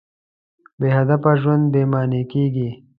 بېهدفه ژوند بېمانا کېږي.